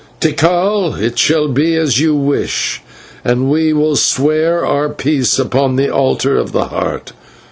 Tikal, it shall be as you wish, and we will swear our peace upon the altar of the Heart.